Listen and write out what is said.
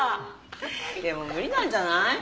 でも無理なんじゃない？